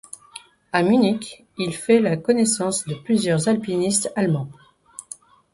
À Munich, il fait la connaissance de plusieurs alpinistes allemands.